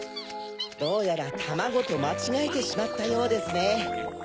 どうやらたまごとまちがえてしまったようですね。